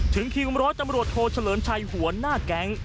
ถึงครีมร้อยจำรวจโทรเฉลินชัยหัวหน้าแก๊ง